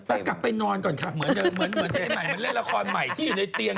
แต่กลับไปนอนก่อนค่ะเหมือนไอ้ใหม่มันเล่นละครใหม่ที่อยู่ในเตียง